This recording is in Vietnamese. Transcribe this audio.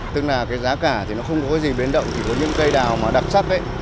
tức là cái giá cả thì nó không có gì biến động chỉ có những cây nào mà đặc sắc ấy